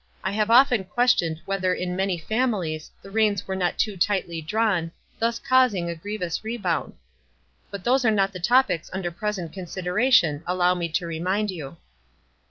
I have often questioned whether in many families the reins were not too tightly drawn, thus causing a grievous rebound. But those are not the topics under present consider ation, allow me to remind you."